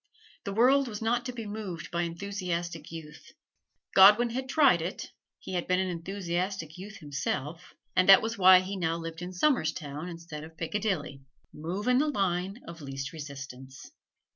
The world was not to be moved by enthusiastic youth. Godwin had tried it he had been an enthusiastic youth himself, and that was why he now lived in Somerstown instead of Piccadilly. Move in the line of least resistance.